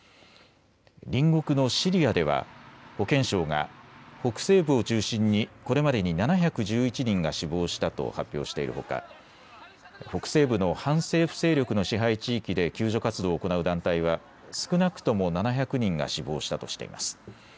隣国のシリアでは保健省が北西部を中心にこれまでに７１１人が死亡したと発表しているほか、北西部の反政府勢力の支配地域で救助活動を行う団体は少なくとも７００人が死亡したとしています。